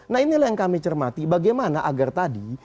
nah inilah yang kami cermati bagaimana agar tadi